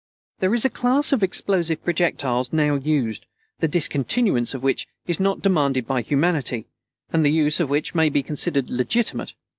There is a class of explosive projectiles now used, the discontinuance of which is not demanded by humanity, and the use of which may be considered legitimate.